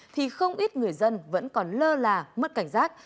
thì không ít người dân vẫn còn lơ là mất cảnh giác